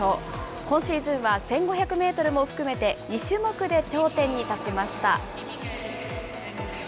今シーズンは１５００メートルも含めて２種目で頂点に立ちました。